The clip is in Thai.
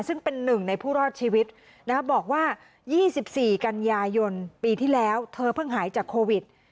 ซึ่งเป็นหนึ่งในผู้รอดชีวิตบอกว่า๒๔กันยายนปีที่แล้วเธอเพิ่งหายจากโควิด